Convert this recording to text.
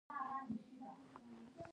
پښتو ژبې ته چوپړ وکړئ